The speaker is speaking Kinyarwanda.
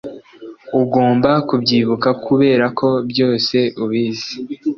ugomba kubyibuka kubera ko byose ubizi